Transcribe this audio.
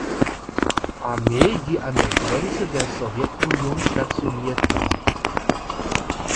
Armee, die an der Grenze der Sowjetunion stationiert war.